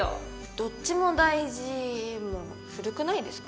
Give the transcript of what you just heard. どっちも大事も古くないですか？